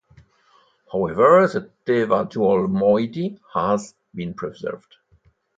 However, the Tewa dual moiety has been preserved.